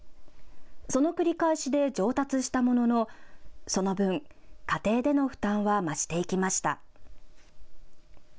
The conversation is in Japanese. その繰り返しで上達したもののその分、家庭での負担は増していきました。